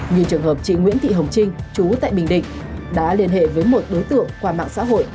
như trường hợp chị nguyễn thị hồng trinh chú tại bình định đã liên hệ với một đối tượng qua mạng xã hội